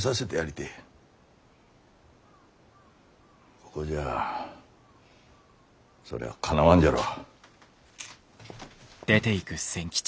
ここじゃあそりゃあかなわんじゃろう。